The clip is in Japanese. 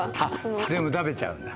全部食べちゃうんだ？